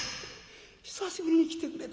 久しぶりに来てくれた。